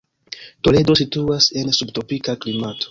Toledo situas en subtropika klimato.